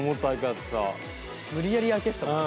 無理やり開けてたもんね。